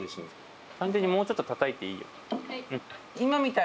単純にもうちょっとたたいていいはい。